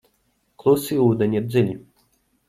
Klusi ūdeņi ir dziļi.